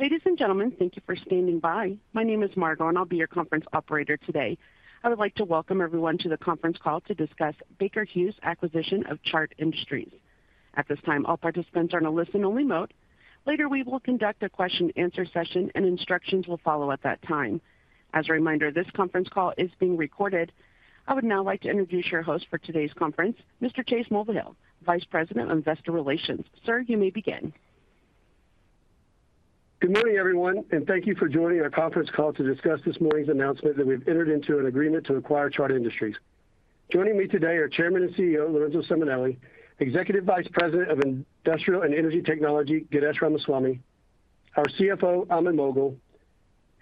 Ladies and gentlemen, thank you for standing by. My name is Margo, and I'll be your conference operator today. I would like to welcome everyone to the conference call to discuss Baker Hughes' acquisition of CHART Industries. At this time, all participants are in a listen-only mode. Later, we will conduct a question-and-answer session, and instructions will follow at that time. As a reminder, this conference call is being recorded. I would now like to introduce your host for today's conference, Mr. Chase Mulvehill, Vice President of Investor Relations. Sir, you may begin. Good morning, everyone, and thank you for joining our conference call to discuss this morning's announcement that we've entered into an agreement to acquire CHART Industries. Joining me today are Chairman and CEO Lorenzo Simonelli, Executive Vice President of Industrial and Energy Technology, Ganesh Ramaswamy, our CFO, Ahmed Moghal,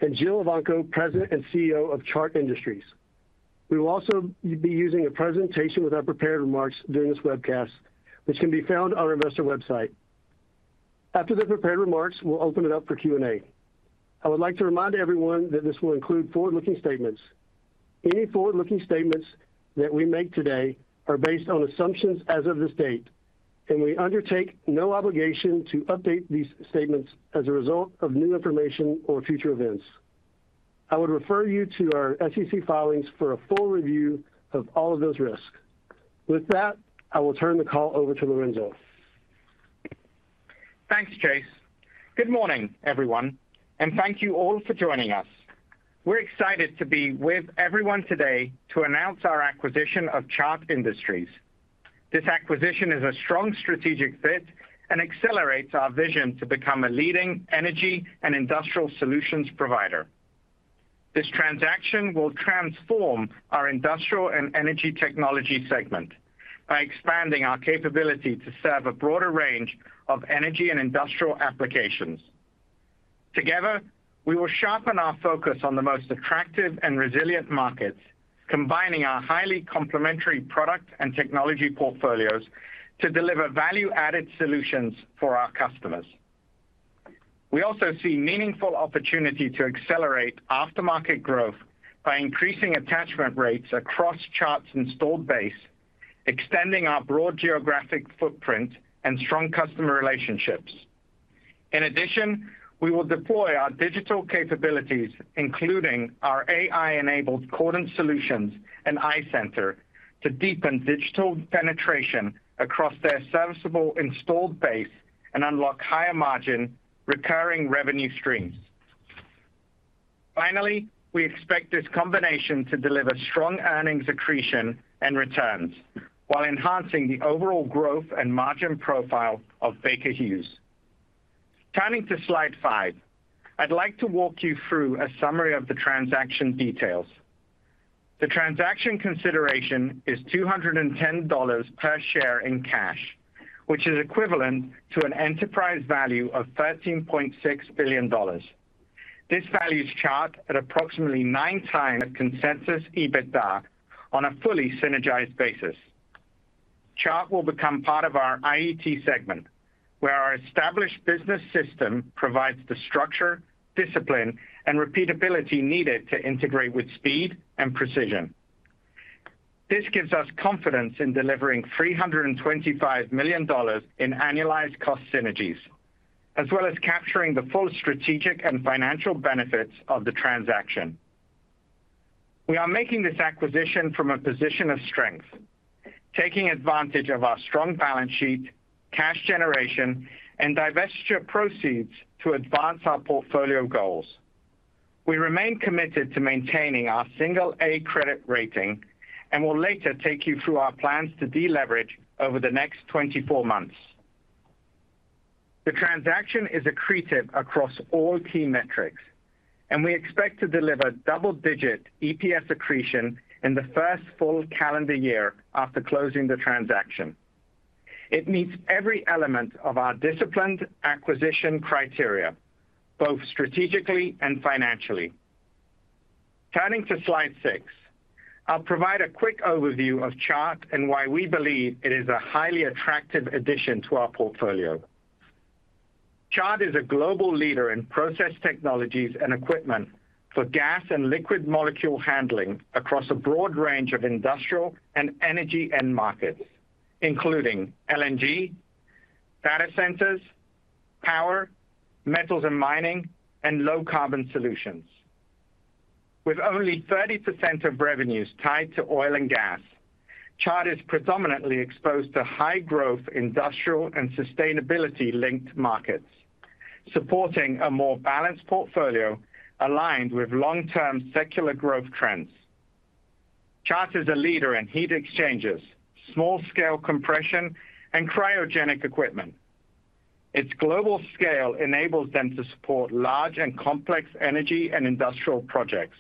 and Jill Evanko, President and CEO of CHART Industries. We will also be using a presentation with our prepared remarks during this webcast, which can be found on our investor website. After the prepared remarks, we'll open it up for Q&A. I would like to remind everyone that this will include forward-looking statements. Any forward-looking statements that we make today are based on assumptions as of this date, and we undertake no obligation to update these statements as a result of new information or future events. I would refer you to our SEC filings for a full review of all of those risks. With that, I will turn the call over to Lorenzo. Thanks, Chase. Good morning, everyone, and thank you all for joining us. We're excited to be with everyone today to announce our acquisition of CHART Industries. This acquisition is a strong strategic fit and accelerates our vision to become a leading energy and industrial solutions provider. This transaction will transform our industrial and energy technology segment by expanding our capability to serve a broader range of energy and industrial applications. Together, we will sharpen our focus on the most attractive and resilient markets, combining our highly complementary product and technology portfolios to deliver value-added solutions for our customers. We also see meaningful opportunity to accelerate aftermarket growth by increasing attachment rates across CHART's installed base, extending our broad geographic footprint, and strong customer relationships. In addition, we will deploy our digital capabilities, including our AI-enabled Cordon solutions and iCenter, to deepen digital penetration across their serviceable installed base and unlock higher margin recurring revenue streams. Finally, we expect this combination to deliver strong earnings accretion and returns while enhancing the overall growth and margin profile of Baker Hughes. Turning to slide five, I'd like to walk you through a summary of the transaction details. The transaction consideration is $210 per share in cash, which is equivalent to an enterprise value of $13.6 billion. This values CHART at approximately 9x that of consensus EBITDA on a fully synergized basis. CHART will become part of our IET segment, where our established business system provides the structure, discipline, and repeatability needed to integrate with speed and precision. This gives us confidence in delivering $325 million in annualized cost synergies, as well as capturing the full strategic and financial benefits of the transaction. We are making this acquisition from a position of strength, taking advantage of our strong balance sheet, cash generation, and divestiture proceeds to advance our portfolio goals. We remain committed to maintaining our Single-A credit rating and will later take you through our plans to deleverage over the next 24 months. The transaction is accretive across all key metrics, and we expect to deliver double-digit EPS accretion in the first full calendar year after closing the transaction. It meets every element of our disciplined acquisition criteria, both strategically and financially. Turning to slide six, I'll provide a quick overview of CHART and why we believe it is a highly attractive addition to our portfolio. CHART is a global leader in process technologies and equipment for gas and liquid molecule handling across a broad range of industrial and energy end markets, including LNG, data centers, power, metals and mining, and low-carbon solutions. With only 30% of revenues tied to oil and gas, CHART is predominantly exposed to high-growth industrial and sustainability-linked markets, supporting a more balanced portfolio aligned with long-term secular growth trends. CHART is a leader in heat exchanges, small-scale compression, and cryogenic equipment. Its global scale enables them to support large and complex energy and industrial projects,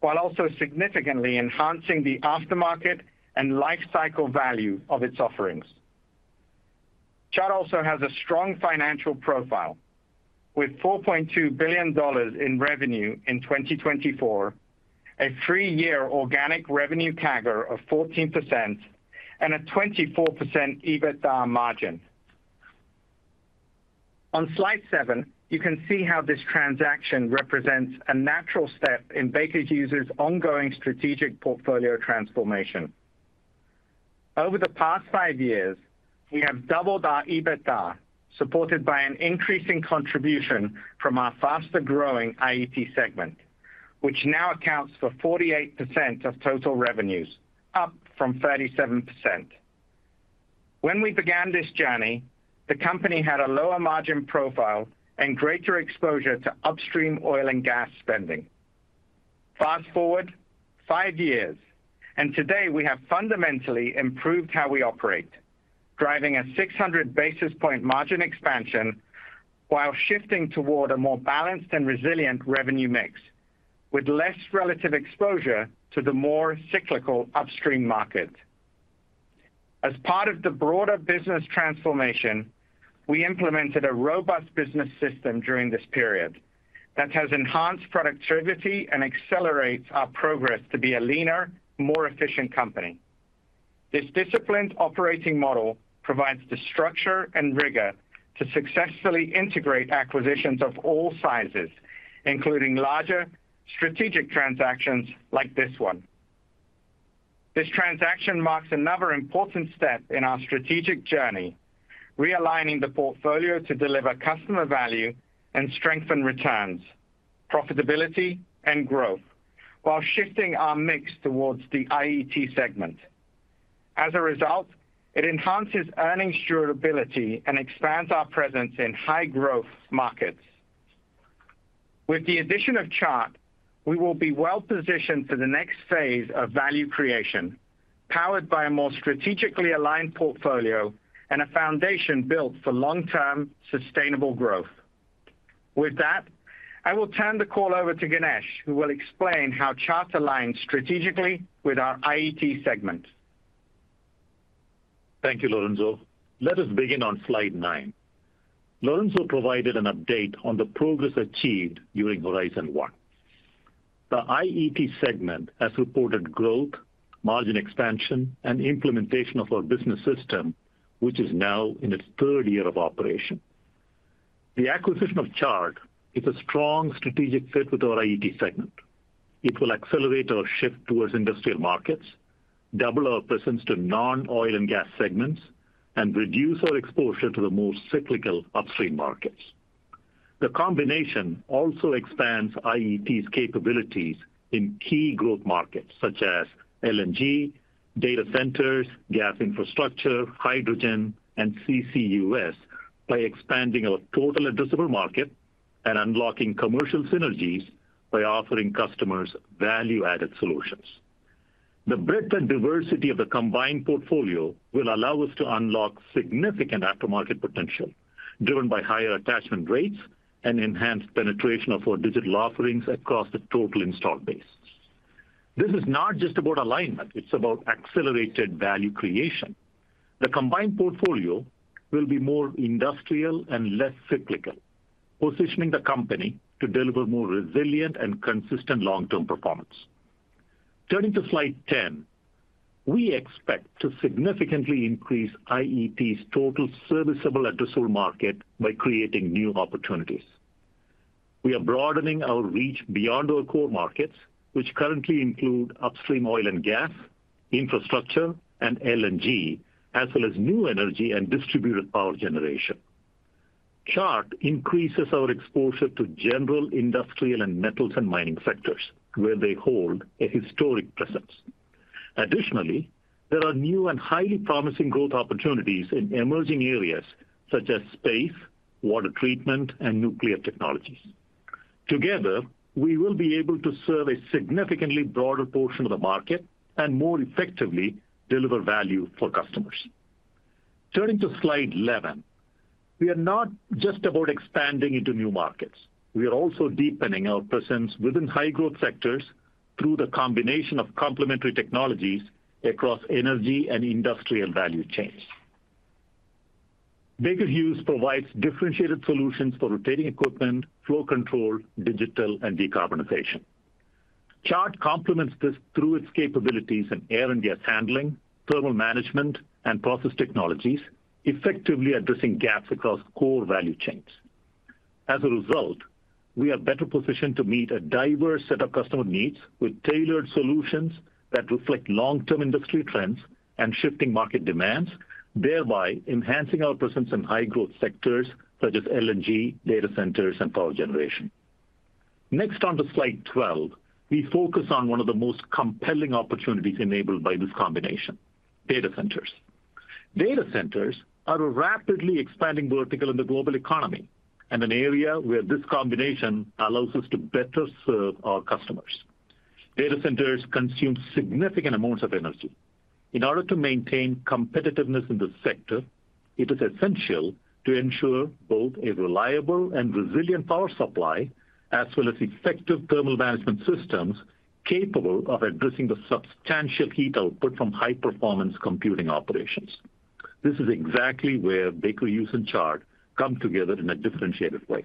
while also significantly enhancing the aftermarket and life cycle value of its offerings. CHART also has a strong financial profile, with $4.2 billion in revenue in 2024, a three-year organic revenue CAGR of 14%, and a 24% EBITDA margin. On slide seven, you can see how this transaction represents a natural step in Baker Hughes' ongoing strategic portfolio transformation. Over the past five years, we have doubled our EBITDA, supported by an increasing contribution from our faster-growing IET segment, which now accounts for 48% of total revenues, up from 37%. When we began this journey, the company had a lower margin profile and greater exposure to upstream oil and gas spending. Fast forward five years, and today we have fundamentally improved how we operate, driving a 600 basis point margin expansion while shifting toward a more balanced and resilient revenue mix, with less relative exposure to the more cyclical upstream market. As part of the broader business transformation, we implemented a robust business system during this period that has enhanced productivity and accelerates our progress to be a leaner, more efficient company. This disciplined operating model provides the structure and rigor to successfully integrate acquisitions of all sizes, including larger strategic transactions like this one. This transaction marks another important step in our strategic journey, realigning the portfolio to deliver customer value and strengthen returns, profitability, and growth, while shifting our mix towards the IET segment. As a result, it enhances earnings durability and expands our presence in high-growth markets. With the addition of CHART, we will be well positioned for the next phase of value creation, powered by a more strategically aligned portfolio and a foundation built for long-term sustainable growth. With that, I will turn the call over to Ganesh, who will explain how CHART aligns strategically with our IET segment. Thank you, Lorenzo. Let us begin on slide nine. Lorenzo provided an update on the progress achieved during Horizon One. The IET segment has supported growth, margin expansion, and implementation of our business system, which is now in its third year of operation. The acquisition of CHART is a strong strategic fit with our IET segment. It will accelerate our shift towards industrial markets, double our presence to non-oil and gas segments, and reduce our exposure to the more cyclical upstream markets. The combination also expands IET's capabilities in key growth markets such as LNG, data centers, gas infrastructure, hydrogen, and CCUS by expanding our total addressable market and unlocking commercial synergies by offering customers value-added solutions. The breadth and diversity of the combined portfolio will allow us to unlock significant aftermarket potential, driven by higher attachment rates and enhanced penetration of our digital offerings across the total installed base. This is not just about alignment; it's about accelerated value creation. The combined portfolio will be more industrial and less cyclical, positioning the company to deliver more resilient and consistent long-term performance. Turning to slide 10, we expect to significantly increase IET's total serviceable addressable market by creating new opportunities. We are broadening our reach beyond our core markets, which currently include upstream oil and gas, infrastructure, and LNG, as well as new energy and distributed power generation. CHART increases our exposure to general industrial and metals and mining sectors, where they hold a historic presence. Additionally, there are new and highly promising growth opportunities in emerging areas such as space, water treatment, and nuclear technologies. Together, we will be able to serve a significantly broader portion of the market and more effectively deliver value for customers. Turning to slide 11, we are not just about expanding into new markets; we are also deepening our presence within high-growth sectors through the combination of complementary technologies across energy and industrial value chains. Baker Hughes provides differentiated solutions for rotating equipment, flow control, digital, and decarbonization. CHART complements this through its capabilities in air and gas handling, thermal management, and process technologies, effectively addressing gaps across core value chains. As a result, we are better positioned to meet a diverse set of customer needs with tailored solutions that reflect long-term industry trends and shifting market demands, thereby enhancing our presence in high-growth sectors such as LNG, data centers, and power generation. Next, on to slide 12, we focus on one of the most compelling opportunities enabled by this combination: data centers. Data centers are a rapidly expanding vertical in the global economy and an area where this combination allows us to better serve our customers. Data centers consume significant amounts of energy. In order to maintain competitiveness in the sector, it is essential to ensure both a reliable and resilient power supply, as well as effective thermal management systems capable of addressing the substantial heat output from high-performance computing operations. This is exactly where Baker Hughes and CHART come together in a differentiated way.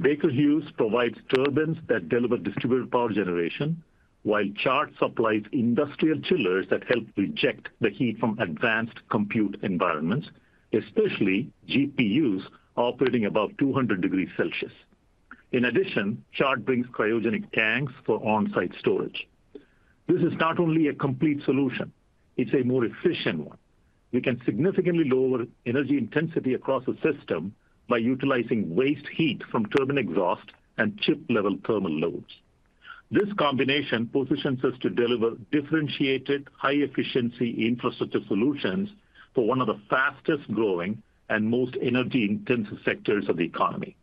Baker Hughes provides turbines that deliver distributed power generation, while CHART supplies industrial chillers that help reject the heat from advanced compute environments, especially GPUs operating above 200 degrees Celsius. In addition, CHART brings cryogenic tanks for on-site storage. This is not only a complete solution; it's a more efficient one. We can significantly lower energy intensity across the system by utilizing waste heat from turbine exhaust and chip-level thermal loads. This combination positions us to deliver differentiated, high-efficiency infrastructure solutions for one of the fastest-growing and most energy-intensive sectors of the economy.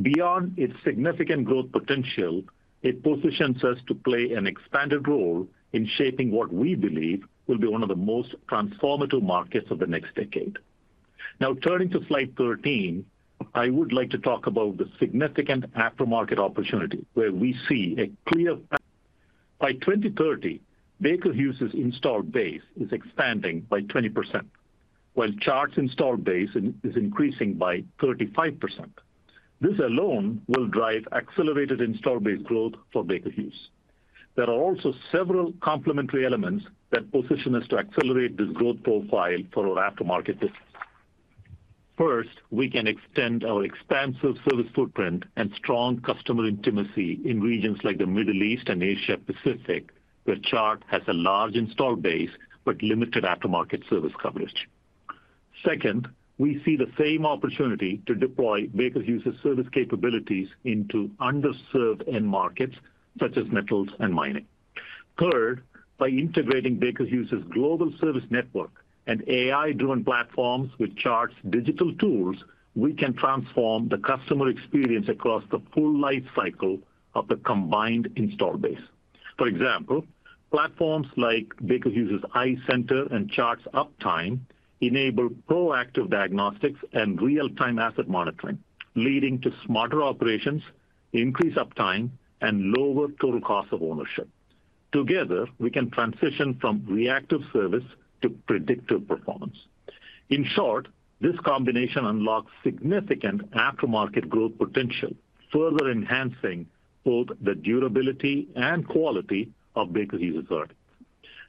Beyond its significant growth potential, it positions us to play an expanded role in shaping what we believe will be one of the most transformative markets of the next decade. Now, turning to slide 13, I would like to talk about the significant aftermarket opportunity where we see a clear. By 2030, Baker Hughes's installed base is expanding by 20%, while CHART's installed base is increasing by 35%. This alone will drive accelerated installed base growth for Baker Hughes. There are also several complementary elements that position us to accelerate this growth profile for our aftermarket business. First, we can extend our expansive service footprint and strong customer intimacy in regions like the Middle East and Asia-Pacific, where CHART has a large installed base but limited aftermarket service coverage. Second, we see the same opportunity to deploy Baker Hughes's service capabilities into underserved end markets such as metals and mining. Third, by integrating Baker Hughes's global service network and AI-driven platforms with CHART's digital tools, we can transform the customer experience across the full lifecycle of the combined installed base. For example, platforms like Baker Hughes's iCenter and CHART's Uptime enable proactive diagnostics and real-time asset monitoring, leading to smarter operations, increased uptime, and lower total cost of ownership. Together, we can transition from reactive service to predictive performance. In short, this combination unlocks significant aftermarket growth potential, further enhancing both the durability and quality of Baker Hughes's assortment.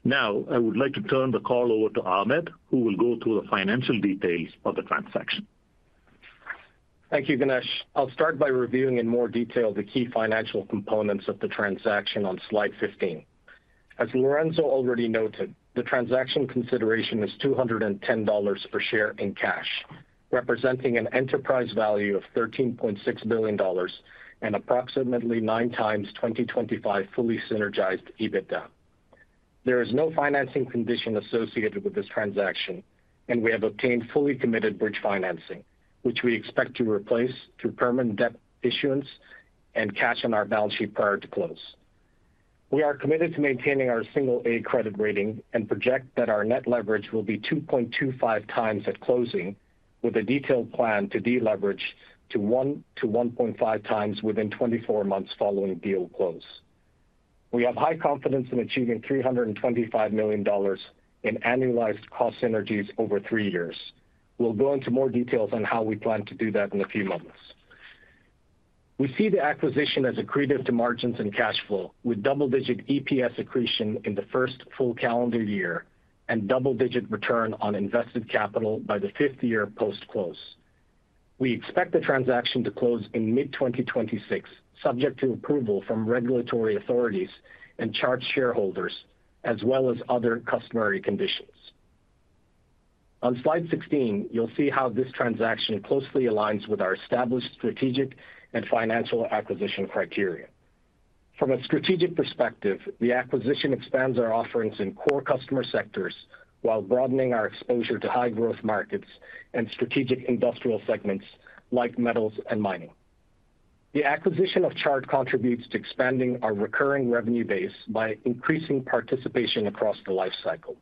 Now, I would like to turn the call over to Ahmed, who will go through the financial details of the transaction. Thank you, Ganesh. I'll start by reviewing in more detail the key financial components of the transaction on slide 15. As Lorenzo already noted, the transaction consideration is $210 per share in cash, representing an enterprise value of $13.6 billion and approximately 9x 2025 fully synergized EBITDA. There is no financing condition associated with this transaction, and we have obtained fully committed bridge financing, which we expect to replace through permanent debt issuance and cash on our balance sheet prior to close. We are committed to maintaining our Single-A credit rating and project that our net leverage will be 2.25x at closing, with a detailed plan to deleverage to 1x to 1.5x within 24 months following deal close. We have high confidence in achieving $325 million in annualized cost synergies over three years. We'll go into more details on how we plan to do that in a few moments. We see the acquisition as accretive to margins and cash flow, with double-digit EPS accretion in the first full calendar year and double-digit return on invested capital by the fifth year post-close. We expect the transaction to close in mid-2026, subject to approval from regulatory authorities and CHART shareholders, as well as other customary conditions. On slide 16, you'll see how this transaction closely aligns with our established strategic and financial acquisition criteria. From a strategic perspective, the acquisition expands our offerings in core customer sectors while broadening our exposure to high-growth markets and strategic industrial segments like metals and mining. The acquisition of CHART contributes to expanding our recurring revenue base by increasing participation across the lifecycle.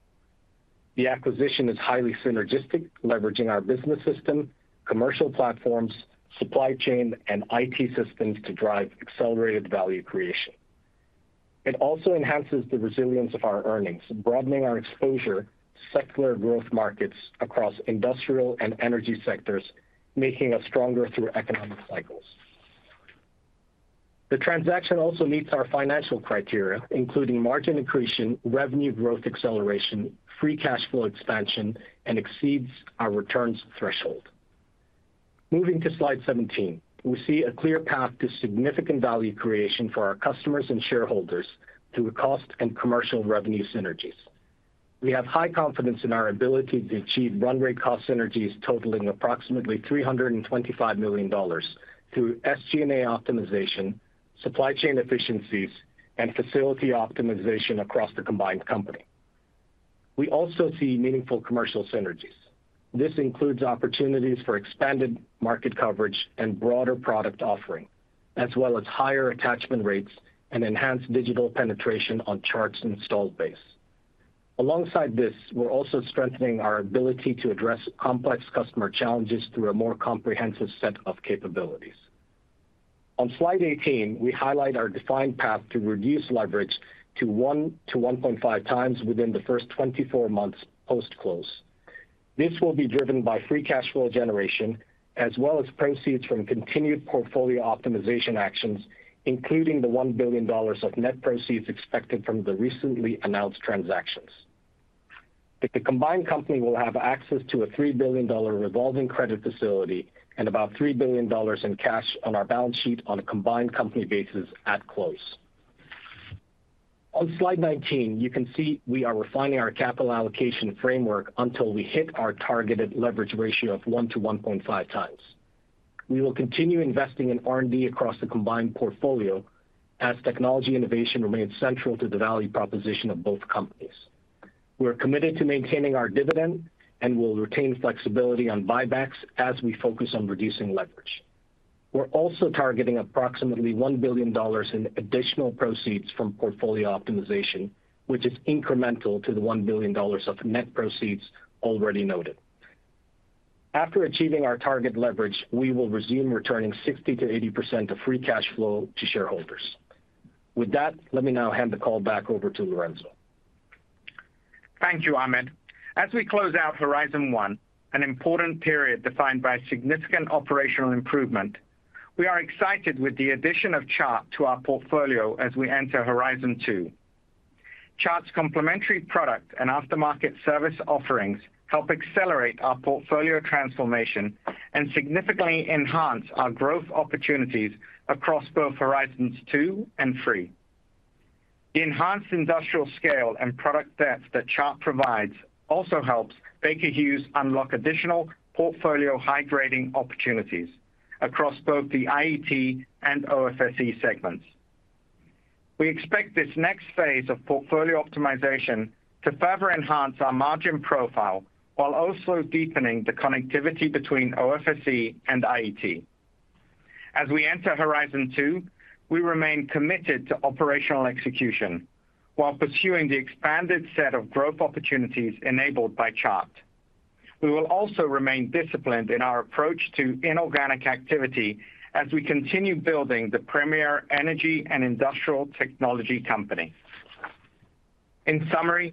The acquisition is highly synergistic, leveraging our business system, commercial platforms, supply chain, and IT systems to drive accelerated value creation. It also enhances the resilience of our earnings, broadening our exposure to secular growth markets across industrial and energy sectors, making us stronger through economic cycles. The transaction also meets our financial criteria, including margin accretion, revenue growth acceleration, free cash flow expansion, and exceeds our returns threshold. Moving to slide 17, we see a clear path to significant value creation for our customers and shareholders through cost and commercial revenue synergies. We have high confidence in our ability to achieve runway cost synergies totaling approximately $325 million through SG&A optimization, supply chain efficiencies, and facility optimization across the combined company. We also see meaningful commercial synergies. This includes opportunities for expanded market coverage and broader product offering, as well as higher attachment rates and enhanced digital penetration on CHART's installed base. Alongside this, we're also strengthening our ability to address complex customer challenges through a more comprehensive set of capabilities. On slide 18, we highlight our defined path to reduce leverage to 1x to 1.5x within the first 24 months post-close. This will be driven by free cash flow generation, as well as proceeds from continued portfolio optimization actions, including the $1 billion of net proceeds expected from the recently announced transactions. The combined company will have access to a $3 billion revolving credit facility and about $3 billion in cash on our balance sheet on a combined company basis at close. On slide 19, you can see we are refining our capital allocation framework until we hit our targeted leverage ratio of 1x to 1.5x. We will continue investing in R&D across the combined portfolio as technology innovation remains central to the value proposition of both companies. We're committed to maintaining our dividend and will retain flexibility on buybacks as we focus on reducing leverage. We're also targeting approximately $1 billion in additional proceeds from portfolio optimization, which is incremental to the $1 billion of net proceeds already noted. After achieving our target leverage, we will resume returning 60%-80% of free cash flow to shareholders. With that, let me now hand the call back over to Lorenzo. Thank you, Ahmed. As we close out Horizon One, an important period defined by significant operational improvement, we are excited with the addition of CHART to our portfolio as we enter Horizon Two. CHART's complementary product and aftermarket service offerings help accelerate our portfolio transformation and significantly enhance our growth opportunities across both Horizons Two and Three. The enhanced industrial scale and product depth that CHART provides also helps Baker Hughes unlock additional portfolio hydrating opportunities across both the IET and OFSE segments. We expect this next phase of portfolio optimization to further enhance our margin profile while also deepening the connectivity between OFSE and IET. As we enter Horizon Two, we remain committed to operational execution while pursuing the expanded set of growth opportunities enabled by CHART. We will also remain disciplined in our approach to inorganic activity as we continue building the premier energy and industrial technology company. In summary,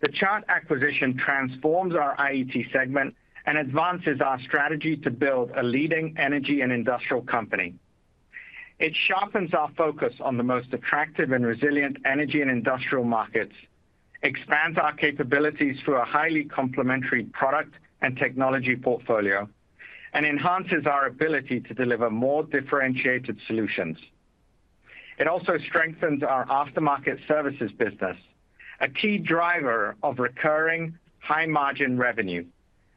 the CHART acquisition transforms our IET segment and advances our strategy to build a leading energy and industrial company. It sharpens our focus on the most attractive and resilient energy and industrial markets, expands our capabilities through a highly complementary product and technology portfolio, and enhances our ability to deliver more differentiated solutions. It also strengthens our aftermarket services business, a key driver of recurring high-margin revenue,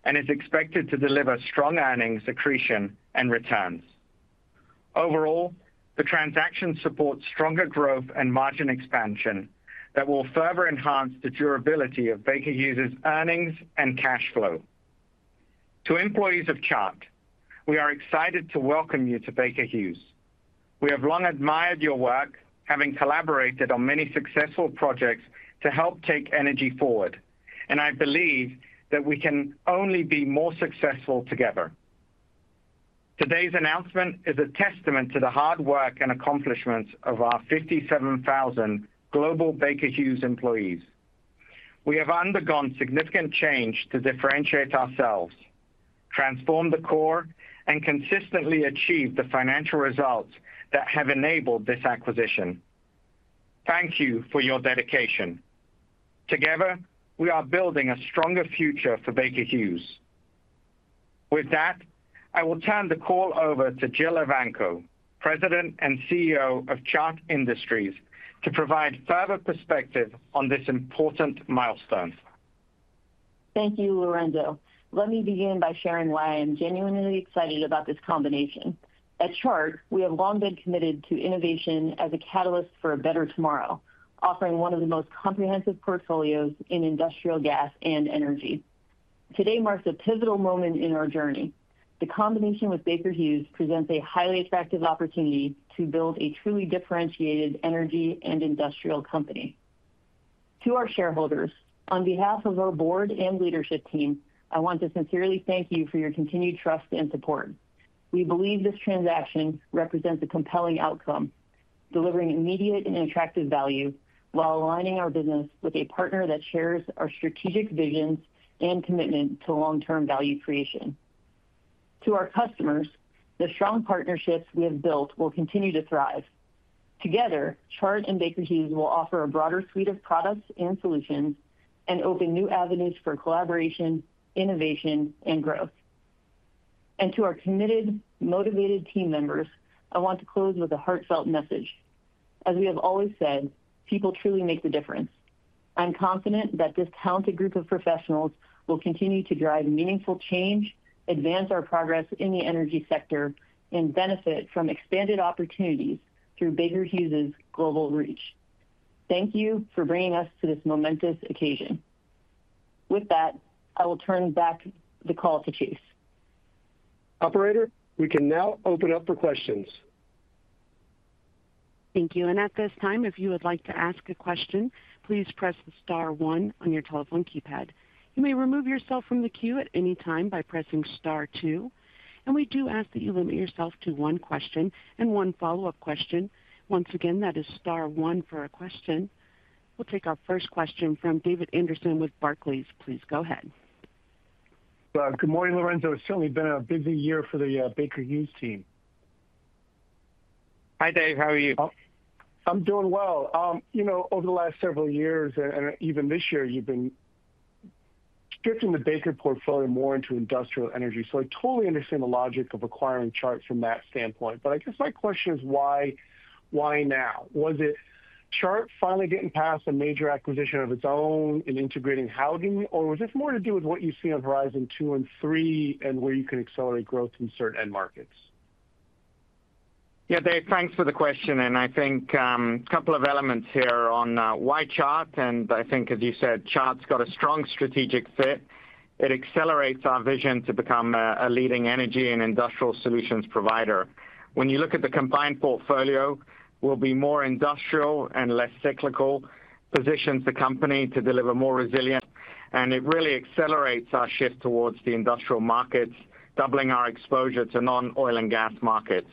and is expected to deliver strong earnings accretion and returns. Overall, the transaction supports stronger growth and margin expansion that will further enhance the durability of Baker Hughes's earnings and cash flow. To employees of CHART, we are excited to welcome you to Baker Hughes. We have long admired your work, having collaborated on many successful projects to help take energy forward, and I believe that we can only be more successful together. Today's announcement is a testament to the hard work and accomplishments of our 57,000 global Baker Hughes employees. We have undergone significant change to differentiate ourselves, transform the core, and consistently achieve the financial results that have enabled this acquisition. Thank you for your dedication. Together, we are building a stronger future for Baker Hughes. With that, I will turn the call over to Jill Evanko, President and CEO of CHART Industries, to provide further perspective on this important milestone. Thank you, Lorenzo. Let me begin by sharing why I am genuinely excited about this combination. At CHART, we have long been committed to innovation as a catalyst for a better tomorrow, offering one of the most comprehensive portfolios in industrial gas and energy. Today marks a pivotal moment in our journey. The combination with Baker Hughes presents a highly attractive opportunity to build a truly differentiated energy and industrial company. To our shareholders, on behalf of our board and leadership team, I want to sincerely thank you for your continued trust and support. We believe this transaction represents a compelling outcome, delivering immediate and attractive value while aligning our business with a partner that shares our strategic visions and commitment to long-term value creation. To our customers, the strong partnerships we have built will continue to thrive. Together, CHART and Baker Hughes will offer a broader suite of products and solutions and open new avenues for collaboration, innovation, and growth. To our committed, motivated team members, I want to close with a heartfelt message. As we have always said, people truly make the difference. I'm confident that this talented group of professionals will continue to drive meaningful change, advance our progress in the energy sector, and benefit from expanded opportunities through Baker Hughes's global reach. Thank you for bringing us to this momentous occasion. With that, I will turn back the call to Chase. Operator, we can now open up for questions. Thank you. At this time, if you would like to ask a question, please press the star one on your telephone keypad. You may remove yourself from the queue at any time by pressing star two. We do ask that you limit yourself to one question and one follow-up question. Once again, that is star one for a question. We'll take our first question from David Anderson with Barclays. Please go ahead. Good morning, Lorenzo. It's certainly been a busy year for the Baker Hughes team. Hi, Dave. How are you? Oh, I'm doing well. You know, over the last several years and even this year, you've been shifting the Baker portfolio more into industrial energy. I totally understand the logic of acquiring CHART from that standpoint. I guess my question is, why now? Was it CHART finally getting past a major acquisition of its own and integrating housing, or was this more to do with what you see on Horizon Two and Three and where you can accelerate growth in certain end markets? Yeah, Dave, thanks for the question. I think a couple of elements here on why CHART. I think, as you said, CHART's got a strong strategic fit. It accelerates our vision to become a leading energy and industrial solutions provider. When you look at the combined portfolio, we'll be more industrial and less cyclical, positions the company to deliver more resilient. It really accelerates our shift towards the industrial markets, doubling our exposure to non-oil and gas markets.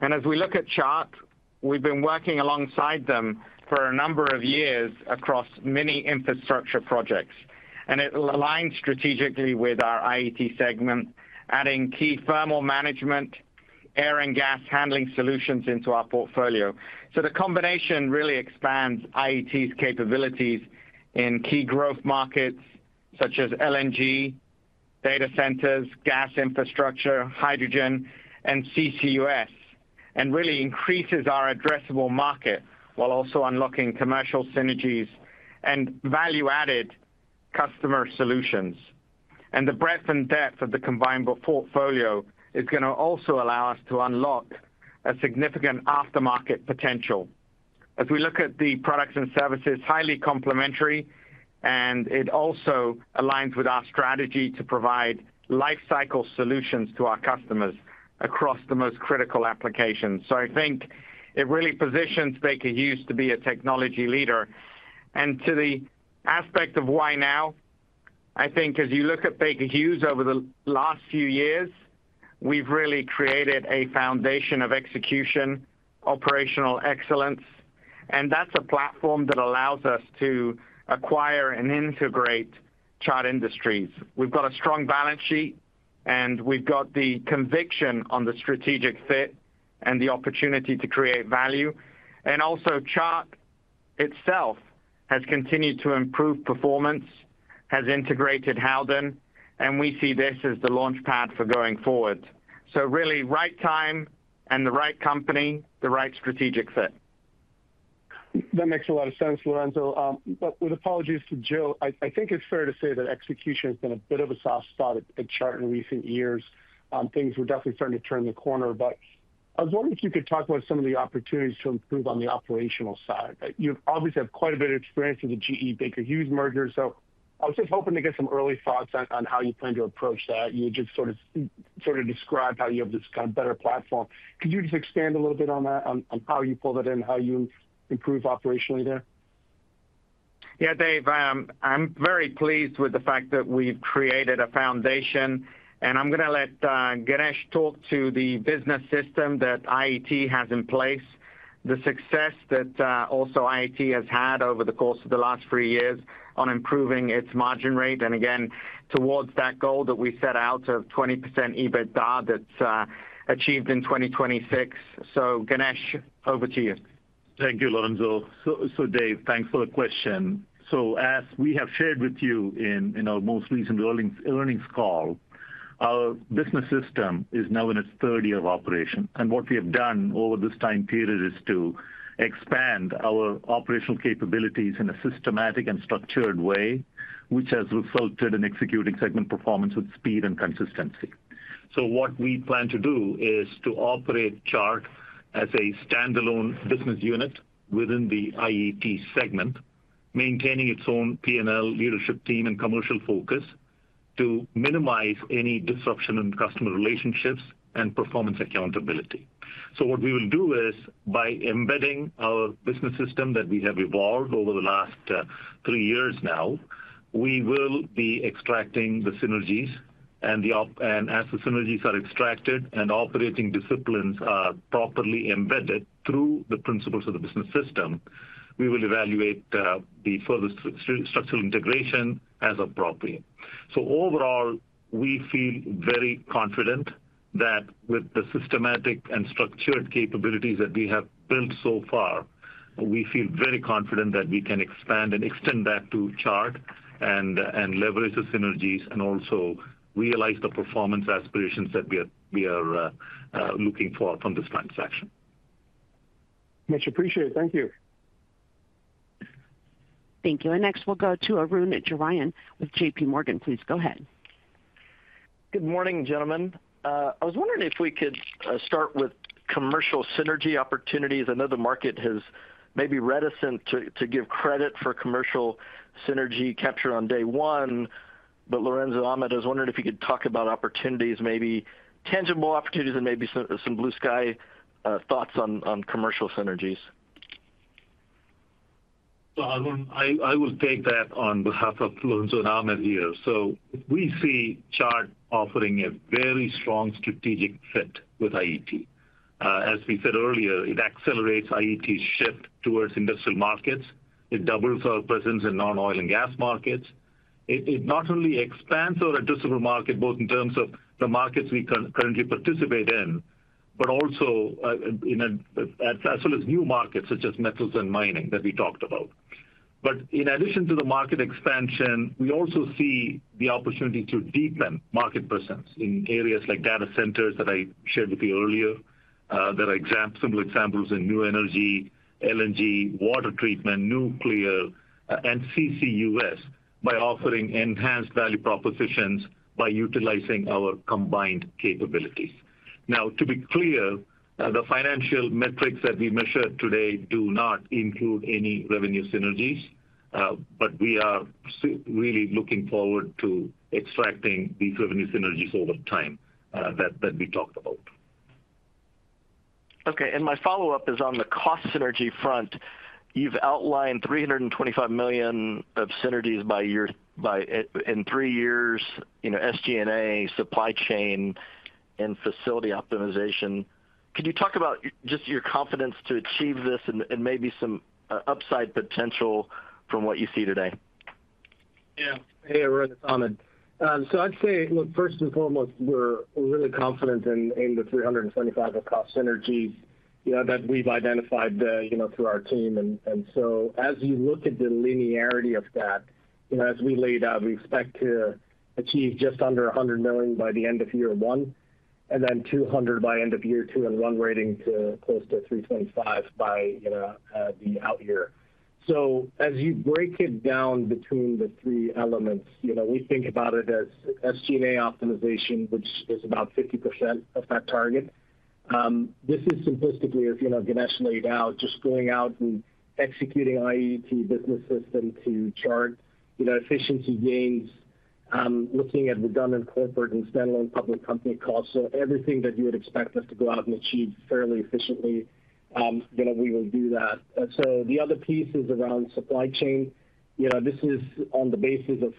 As we look at CHART, we've been working alongside them for a number of years across many infrastructure projects. It aligns strategically with our IET segment, adding key thermal management, air and gas handling solutions into our portfolio. The combination really expands IET's capabilities in key growth markets such as LNG, data centers, gas infrastructure, hydrogen, and CCUS, and really increases our addressable market while also unlocking commercial synergies and value-added customer solutions. The breadth and depth of the combined portfolio is going to also allow us to unlock a significant aftermarket potential. As we look at the products and services, highly complementary, and it also aligns with our strategy to provide lifecycle solutions to our customers across the most critical applications. I think it really positions Baker Hughes to be a technology leader. To the aspect of why now, I think as you look at Baker Hughes over the last few years, we've really created a foundation of execution, operational excellence, and that's a platform that allows us to acquire and integrate CHART Industries. We've got a strong balance sheet, and we've got the conviction on the strategic fit and the opportunity to create value. Also, CHART itself has continued to improve performance, has integrated Howden, and we see this as the launchpad for going forward. Really, right time and the right company, the right strategic fit. That makes a lot of sense, Lorenzo. With apologies to Jill, I think it's fair to say that execution has been a bit of a soft spot at CHART in recent years. Things were definitely starting to turn the corner. I was wondering if you could talk about some of the opportunities to improve on the operational side. You obviously have quite a bit of experience with the GE Baker Hughes merger, so I was just hoping to get some early thoughts on how you plan to approach that. You had just sort of described how you have this kind of better platform. Could you just expand a little bit on that, on how you pull that in, how you improve operationally there? Yeah, Dave, I'm very pleased with the fact that we've created a foundation. I'm going to let Ganesh talk to the business system that IET has in place, the success that also IET has had over the course of the last three years on improving its margin rate. Again, towards that goal that we set out of 20% EBITDA that's achieved in 2026. Ganesh, over to you. Thank you, Lorenzo. Dave, thanks for the question. As we have shared with you in our most recent earnings call, our business system is now in its third year of operation. What we have done over this time period is to expand our operational capabilities in a systematic and structured way, which has resulted in executing segment performance with speed and consistency. What we plan to do is to operate CHART as a standalone business unit within the IET segment, maintaining its own P&L, leadership team, and commercial focus to minimize any disruption in customer relationships and performance accountability. By embedding our business system that we have evolved over the last three years, we will be extracting the synergies. As the synergies are extracted and operating disciplines are properly embedded through the principles of the business system, we will evaluate further structural integration as appropriate. Overall, we feel very confident that with the systematic and structured capabilities that we have built so far, we can expand and extend that to CHART and leverage the synergies and also realize the performance aspirations that we are looking for from this transaction. Much appreciated. Thank you. Thank you. Next, we'll go to Arun Jayaram with JPMorgan. Please go ahead. Good morning, gentlemen. I was wondering if we could start with commercial synergy opportunities. I know the market has maybe been reticent to give credit for commercial synergy capture on day one, but Lorenzo, Ahmed, I was wondering if you could talk about opportunities, maybe tangible opportunities and maybe some blue sky thoughts on commercial synergies. Arun, I will take that on behalf of Lorenzo [and] Ahmed here. We see CHART offering a very strong strategic fit with IET. As we said earlier, it accelerates IET's shift towards industrial markets. It doubles our presence in non-oil and gas markets. It not only expands our addressable market, both in terms of the markets we currently participate in, but also as well as new markets such as metals and mining that we talked about. In addition to the market expansion, we also see the opportunity to deepen market presence in areas like data centers that I shared with you earlier, that are similar examples in new energy, LNG, water treatment, nuclear, and CCUS, by offering enhanced value propositions by utilizing our combined capabilities. Now, to be clear, the financial metrics that we measured today do not include any revenue synergies, but we are really looking forward to extracting these revenue synergies over time that we talked about. Okay. My follow-up is on the cost synergy front. You've outlined $325 million of synergies in three years, SG&A, supply chain, and facility optimization. Could you talk about just your confidence to achieve this and maybe some upside potential from what you see today? Yeah. Hey, Arjun Ahmed. I'd say, look, first and foremost, we're really confident in the $325 million of cost synergies that we've identified through our team. As you look at the linearity of that, as we laid out, we expect to achieve just under $100 million by the end-of-year one and then $200 million by end-of-year two and run rating to close to $325 million by the out year. As you break it down between the three elements, we think about it as SG&A optimization, which is about 50% of that target. This is simplistically, as Ganesh laid out, just going out and executing IET business system to CHART, efficiency gains, looking at redundant corporate and standalone public company costs. Everything that you would expect us to go out and achieve fairly efficiently. We will do that. The other piece is around supply chain. This is on the basis of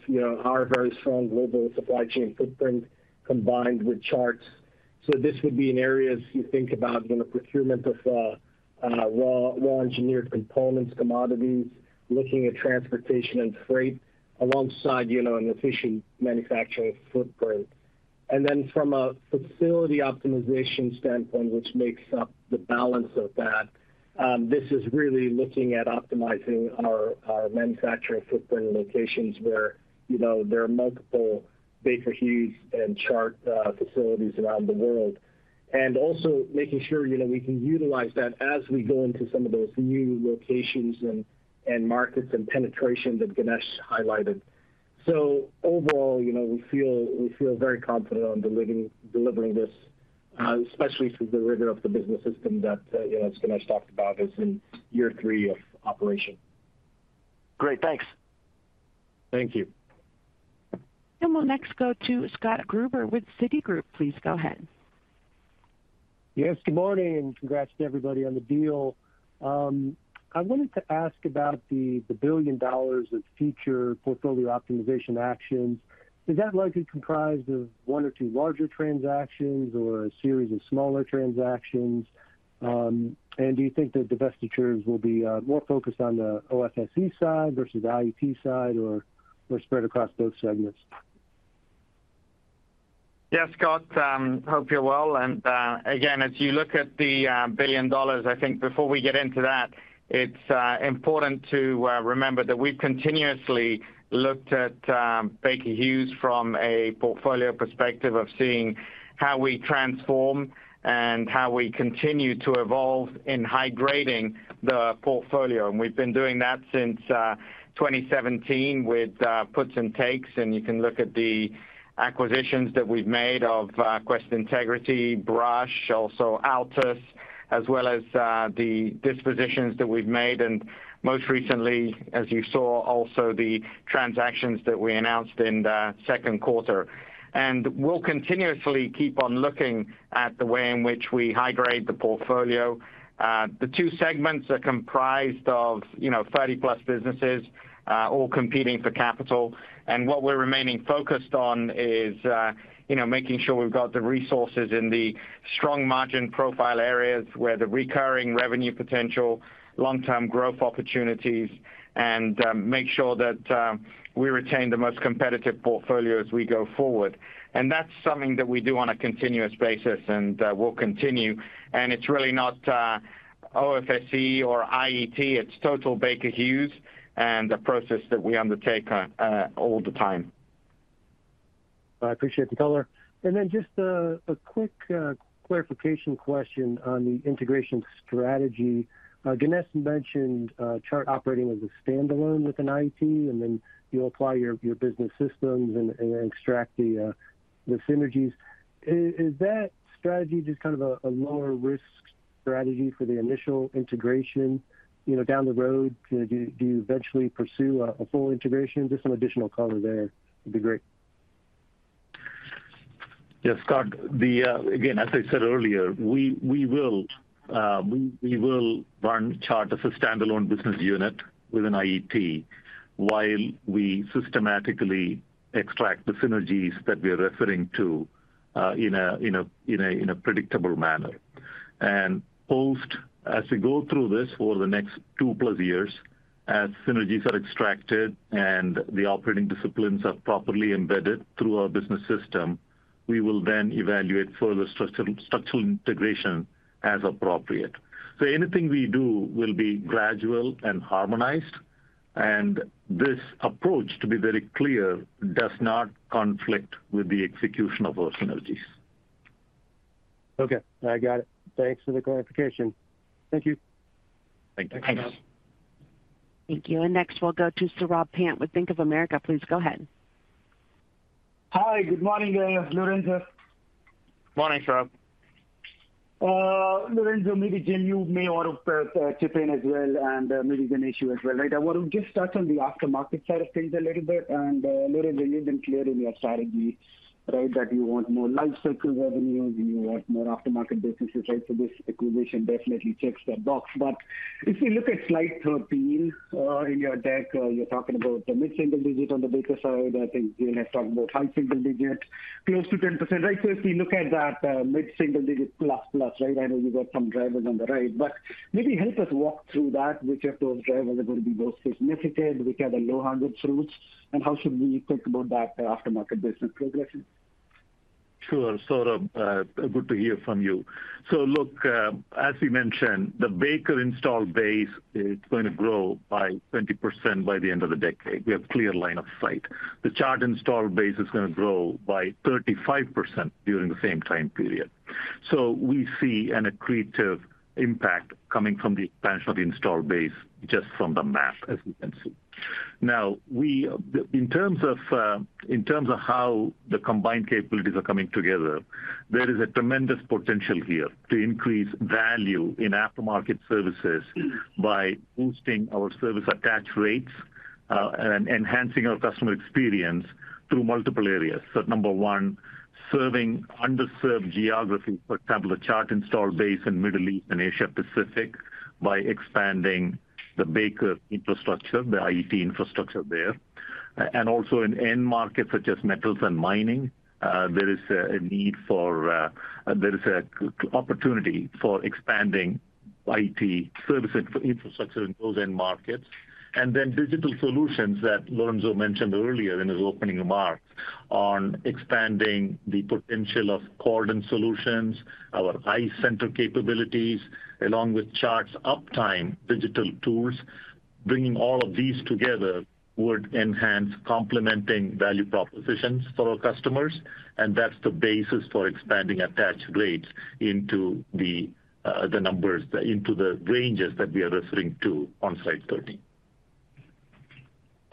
our very strong global supply chain footprint combined with CHART. This would be in areas you think about procurement of raw engineered components, commodities, looking at transportation and freight alongside an efficient manufacturing footprint. From a facility optimization standpoint, which makes up the balance of that, this is really looking at optimizing our manufacturing footprint locations where there are multiple Baker Hughes and CHART facilities around the world. Also making sure we can utilize that as we go into some of those new locations and markets and penetration that Ganesh highlighted. Overall, we feel very confident on delivering this, especially through the rigor of the business system that Ganesh talked about is in year three of operation. Great. Thanks. Thank you. We'll next go to Scott Gruber with Citigroup. Please go ahead. Yes. Good morning and congrats to everybody on the deal. I wanted to ask about the billion dollars of future portfolio optimization actions. Is that likely comprised of one or two larger transactions or a series of smaller transactions? Do you think the divestitures will be more focused on the OFSE side versus the IET side or spread across both segments? Yeah, Scott, hope you're well. Again, as you look at the billion dollars, I think before we get into that, it's important to remember that we've continuously looked at Baker Hughes from a portfolio perspective of seeing how we transform and how we continue to evolve in hydrating the portfolio. We've been doing that since 2017 with puts and takes. You can look at the acquisitions that we've made of Quest Integrity, BRUSH, also Altus, as well as the dispositions that we've made. Most recently, as you saw, also the transactions that we announced in the second quarter. We'll continuously keep on looking at the way in which we hydrate the portfolio. The two segments are comprised of 30+ businesses all competing for capital. What we're remaining focused on is making sure we've got the resources in the strong margin profile areas where the recurring revenue potential, long-term growth opportunities, and make sure that we retain the most competitive portfolio as we go forward. That's something that we do on a continuous basis and will continue. It's really not OFSE or IET, it's total Baker Hughes and the process that we undertake all the time. I appreciate the color. And then just a quick clarification question on the integration strategy. Ganesh mentioned CHART operating as a standalone within IET, and then you'll apply your business systems and extract the synergies. Is that strategy just kind of a lower risk strategy for the initial integration down the road? Do you eventually pursue a full integration? Just some additional color there would be great. Yes, Scott. Again, as I said earlier, we will run CHART as a standalone business unit within IET while we systematically extract the synergies that we are referring to in a predictable manner. Post, as we go through this over the next 2+ years, as synergies are extracted and the operating disciplines are properly embedded through our business system, we will then evaluate further structural integration as appropriate. Anything we do will be gradual and harmonized. This approach, to be very clear, does not conflict with the execution of our synergies. Okay. I got it. Thanks for the clarification. Thank you. Thank you. Thanks. Thank you. Next, we'll go to Saurabh Pant with Bank of America. Please go ahead. Hi. Good morning, Lorenzo. Morning, Saurabh. Lorenzo, maybe Jill, you may want to chip in as well and maybe Ganesh you as well. I want to just touch on the aftermarket side of things a little bit. And Lorenzo, you've been clear in your strategy, right, that you want more life cycle revenues, and you want more aftermarket businesses. So this acquisition definitely checks that box. But if we look at slide 13 in your deck, you're talking about the mid-single digit on the Baker side. I think Jill has talked about high-single digit, close to 10%. So if we look at that mid-single digit plus-plus, I know you've got some drivers on the right, but maybe help us walk through that. Which of those drivers are going to be most significant? Which are the low-hanging fruits? And how should we think about that aftermarket business progression? Sure. Saurabh, good to hear from you. As we mentioned, the Baker installed base is going to grow by 20% by the end of the decade. We have a clear line of sight. The CHART installed base is going to grow by 35% during the same time period. We see an accretive impact coming from the expansion of the installed base just from the math, as we can see. Now, in terms of how the combined capabilities are coming together, there is a tremendous potential here to increase value in aftermarket services by boosting our service attach rates and enhancing our customer experience through multiple areas. Number one, serving underserved geographies, for example, the CHART installed base in the Middle East and Asia-Pacific by expanding the Baker infrastructure, the IET infrastructure there. Also, in end markets such as metals and mining, there is a need for, there is an opportunity for expanding IET service infrastructure in those end markets. Digital solutions that Lorenzo mentioned earlier in his opening remarks on expanding the potential of Cordon solutions, our iCenter capabilities, along with CHART's Uptime digital tools, bringing all of these together would enhance complementing value propositions for our customers. That is the basis for expanding attach rates into the numbers, into the ranges that we are referring to on slide 13.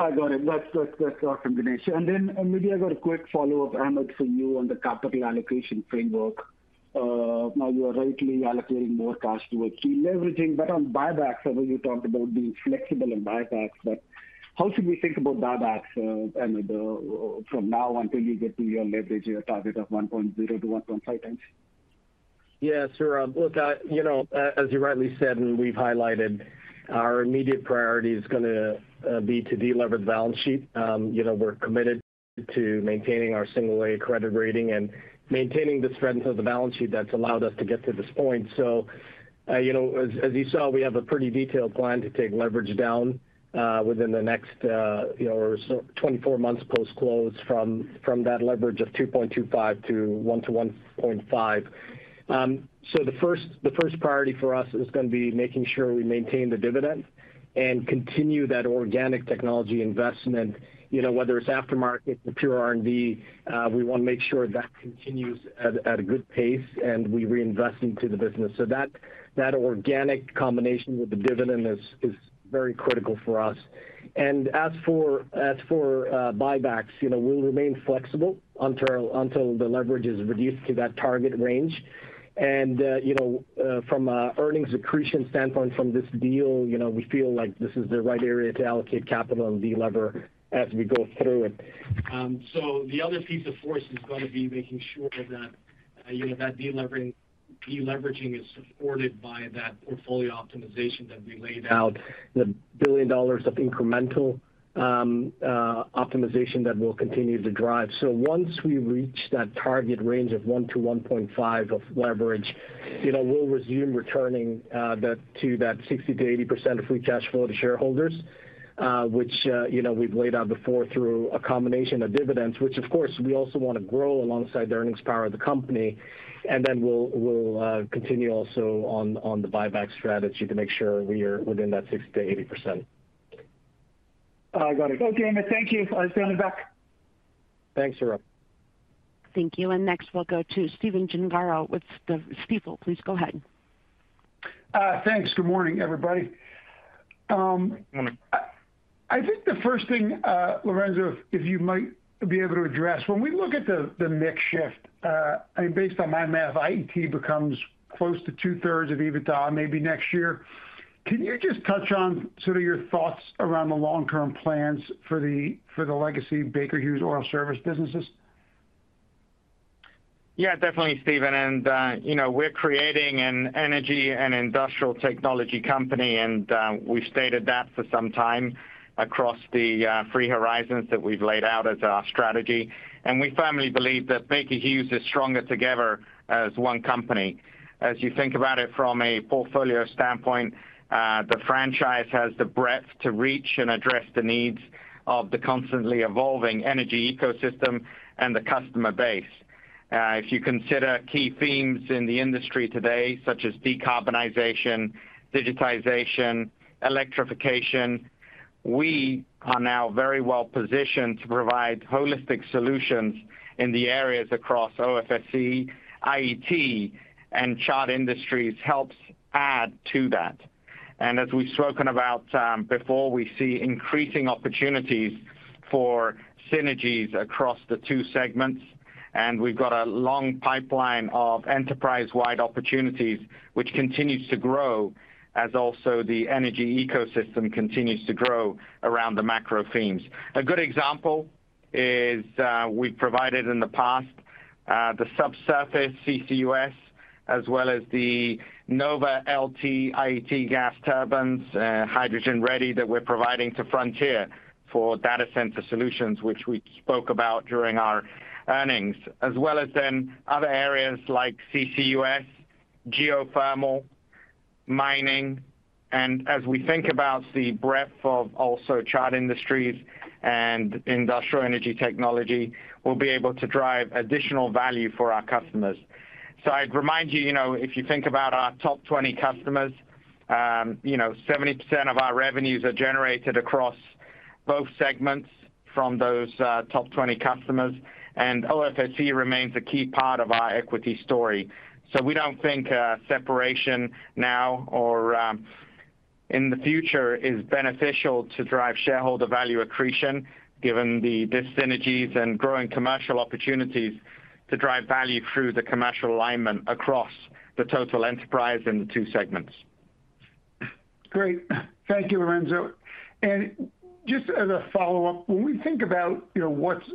I got it. That's all from Ganesh. Maybe I've got a quick follow-up, Ahmed, for you on the capital allocation framework. Now you are rightly allocating more cash towards deleveraging, but on buybacks, I know you talked about being flexible on buybacks. How should we think about buybacks, Ahmed, from now until you get to your leverage, your target of 1x to 1.5x? Yeah, Saurabh. Look, as you rightly said, and we've highlighted, our immediate priority is going to be to delever the balance sheet. We're committed to maintaining our Single-A credit rating and maintaining the strength of the balance sheet that's allowed us to get to this point. As you saw, we have a pretty detailed plan to take leverage down within the next 24 months post-close from that leverage of 2.25 to 1-1.5. The first priority for us is going to be making sure we maintain the dividend and continue that organic technology investment, whether it's aftermarket, the pure R&D. We want to make sure that continues at a good pace and we reinvest into the business. That organic combination with the dividend is very critical for us. As for buybacks, we'll remain flexible until the leverage is reduced to that target range. From an earnings accretion standpoint from this deal, we feel like this is the right area to allocate capital and delever as we go through it. The other piece for us is going to be making sure that deleveraging is supported by that portfolio optimization that we laid out, the billion dollars of incremental optimization that will continue to drive. Once we reach that target range of 1-1.5 of leverage, we'll resume returning to that 60%-80% of free cash flow to shareholders, which we've laid out before through a combination of dividends, which, of course, we also want to grow alongside the earnings power of the company. Then we'll continue also on the buyback strategy to make sure we are within that 60%-80%. I got it. Okay, Ahmed, thank you. I'll turn it back. Thanks, Saurabh. Thank you. Next, we'll go to Stephen Gengaro with Stifel. Please go ahead. Thanks. Good morning, everybody. I think the first thing, Lorenzo, if you might be able to address, when we look at the next shift, I mean, based on my math, IET becomes close to 2/3 of EBITDA maybe next year. Can you just touch on sort of your thoughts around the long-term plans for the legacy Baker Hughes oil service businesses? Yeah, definitely, Steven. We are creating an energy and industrial technology company, and we've stated that for some time across the three Horizons that we've laid out as our strategy. We firmly believe that Baker Hughes is stronger together as one company. As you think about it from a portfolio standpoint, the franchise has the breadth to reach and address the needs of the constantly evolving energy ecosystem and the customer base. If you consider key themes in the industry today, such as decarbonization, digitization, electrification, we are now very well positioned to provide holistic solutions in the areas across OFSE, IET, and CHART Industries helps add to that. As we've spoken about before, we see increasing opportunities for synergies across the two segments. We've got a long pipeline of enterprise-wide opportunities, which continues to grow as also the energy ecosystem continues to grow around the macro themes. A good example is we've provided in the past the subsurface CCUS, as well as the NovaLT IET gas turbines, hydrogen-ready, that we're providing to Frontier for data center solutions, which we spoke about during our earnings, as well as then other areas like CCUS, geothermal, mining. As we think about the breadth of also CHART Industries and industrial energy technology, we'll be able to drive additional value for our customers. I'd remind you, if you think about our top 20 customers, 70% of our revenues are generated across both segments from those top 20 customers. OFSE remains a key part of our equity story. We don't think separation now or in the future is beneficial to drive shareholder value accretion given the synergies and growing commercial opportunities to drive value through the commercial alignment across the total enterprise in the two segments. Great. Thank you, Lorenzo. Just as a follow-up, when we think about what's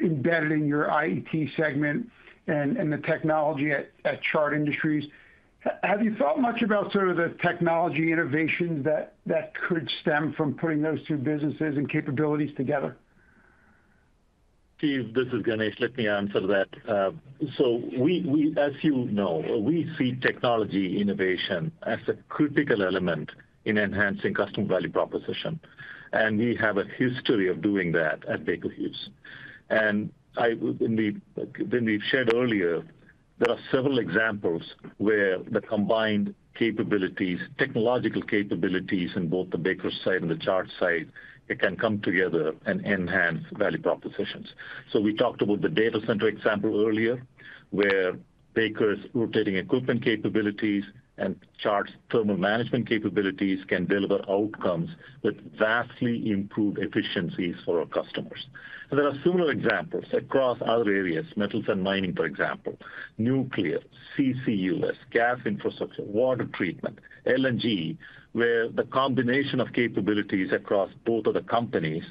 embedded in your IET segment and the technology at CHART Industries, have you thought much about sort of the technology innovations that could stem from putting those two businesses and capabilities together? [Stephen], this is Ganesh. Let me answer that. As you know, we see technology innovation as a critical element in enhancing customer value proposition. We have a history of doing that at Baker Hughes. Then we've shared earlier, there are several examples where the combined technological capabilities in both the Baker side and the CHART side, it can come together and enhance value propositions. We talked about the data center example earlier, where Baker's rotating equipment capabilities and CHART's thermal management capabilities can deliver outcomes with vastly improved efficiencies for our customers. There are similar examples across other areas, metals and mining, for example, nuclear, CCUS, gas infrastructure, water treatment, LNG, where the combination of capabilities across both of the companies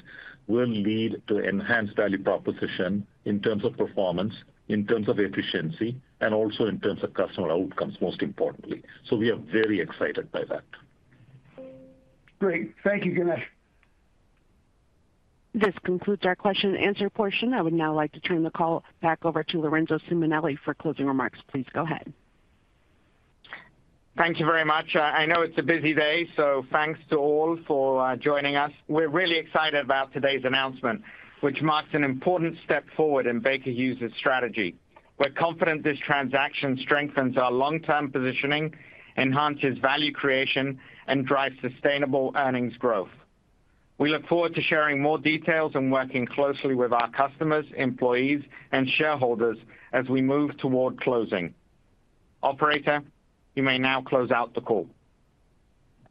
will lead to enhanced value proposition in terms of performance, in terms of efficiency, and also in terms of customer outcomes, most importantly. We are very excited by that. Great. Thank you, Ganesh. This concludes our question-and-answer portion. I would now like to turn the call back over to Lorenzo Simonelli for closing remarks. Please go ahead. Thank you very much. I know it's a busy day, so thanks to all for joining us. We're really excited about today's announcement, which marks an important step forward in Baker Hughes' strategy. We're confident this transaction strengthens our long-term positioning, enhances value creation, and drives sustainable earnings growth. We look forward to sharing more details and working closely with our customers, employees, and shareholders as we move toward closing. Operator, you may now close out the call.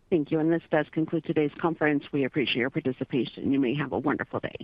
Thank you. This does conclude today's conference. We appreciate your participation. You may have a wonderful day.